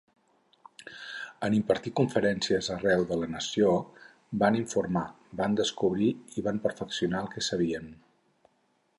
En impartir conferències arreu de la nació, van informar, van descobrir i van perfeccionar el que sabien.